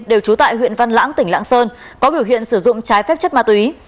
đều trú tại huyện văn lãng tỉnh lạng sơn có biểu hiện sử dụng trái phép chất ma túy